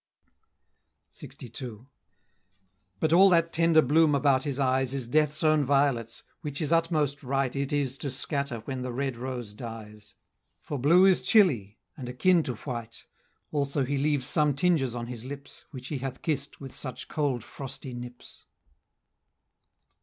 LXII. But all that tender bloom about his eyes, Is Death's own violets, which his utmost rite It is to scatter when the red rose dies; For blue is chilly, and akin to white: Also he leaves some tinges on his lips, Which he hath kiss'd with such cold frosty nips.